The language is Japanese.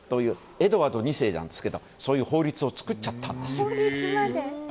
エドワード２世なんですけどそういう法律を作っちゃったんです。